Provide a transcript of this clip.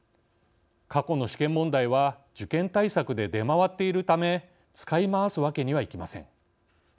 過去の試験問題は受験対策で出回っているため使いまわすわけにはいきません。